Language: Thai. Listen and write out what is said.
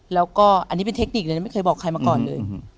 แล้วก็ฯอันนี้มันเป็นเทคนิคได้ไม่เคยบอกให้มาก่อนเลย